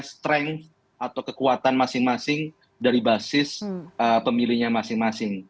strength atau kekuatan masing masing dari basis pemilihnya masing masing